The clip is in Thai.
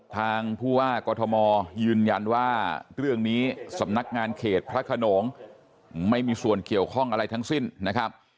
ทางผู้ว่ากอทมยืนยันว่าเรื่องนี้สำนักงานเขตพระขนงไม่มีส่วนเกี่ยวข้องอะไรทั้งสิ้นนะครับ